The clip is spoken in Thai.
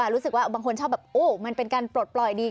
รู้สึกว่าบางคนชอบแบบโอ้มันเป็นการปลดปล่อยดี